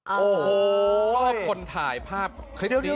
โอ้โหชอบคนถ่ายภาพคลิปนี้